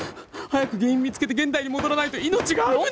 早く原因見つけて現代に戻らないと命が危ない！